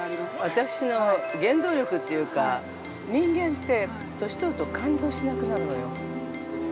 ◆私の原動力というか、人間って、年をとると、感動しなくなるのよ。